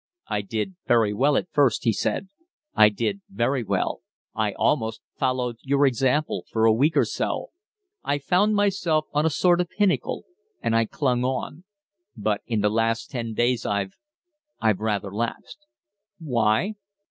"I did very well at first," he said. "I did very well I almost followed your example, for a week or so. I found myself on a sort of pinnacle and I clung on. But in the last ten days I've I've rather lapsed." "Why?"